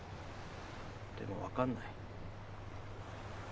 でも分かんない。